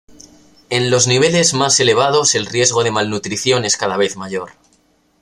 En los niveles más elevados el riesgo de malnutrición es cada vez mayor.